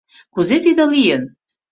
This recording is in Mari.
— Кузе тиде лийын?